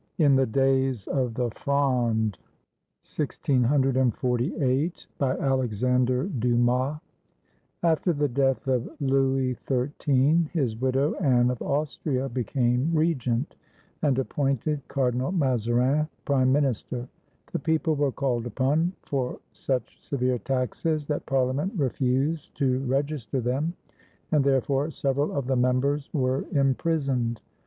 IN THE DAYS OF THE FRONDE BY ALEXANDRE DUMAS [After the death of Louis XIII, his widow, Anne of Austria, became regent, and appointed Cardinal Mazarin prime min ister. The people were called upon for such severe taxes that Parliament refused to register them, and therefore several of the members were imprisoned.